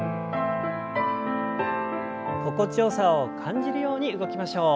心地よさを感じるように動きましょう。